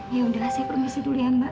ya udahlah saya permisi dulu ya mbak